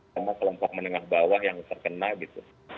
sama kelompok menengah bawah yang terkena gitu